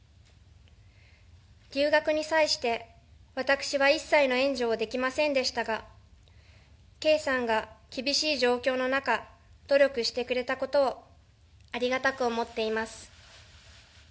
留学に際して、私は一切の援助はできませんでしたが圭さんが厳しい状況の中努力してくれたことをありがたく思っております。